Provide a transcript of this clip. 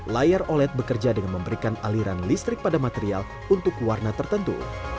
layar oled bekerja dengan memberikan aliran listrik pada material untuk warna tertentu